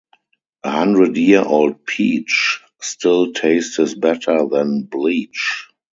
A hundred year old peach still tastes better than bleach.